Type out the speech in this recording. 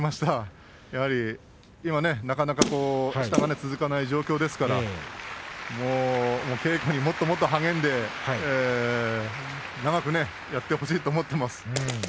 今、なかなか下が続かない状況ですが稽古にもっともっと励んで長くやってほしいと思ってます。